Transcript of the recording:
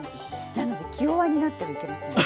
なので気弱になってはいけません。